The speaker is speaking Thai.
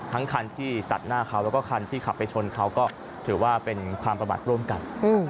คันที่ตัดหน้าเขาแล้วก็คันที่ขับไปชนเขาก็ถือว่าเป็นความประมาทร่วมกัน